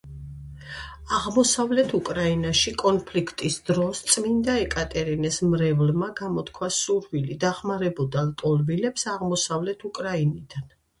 აღმოსავლეთ უკრაინაში კონფლიქტის დროს წმინდა ეკატერინეს მრევლმა გამოთქვა სურვილი დახმარებოდა ლტოლვილებს აღმოსავლეთ უკრაინიდან.